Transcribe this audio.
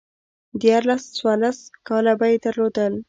ديارلس، څوارلس کاله به يې درلودل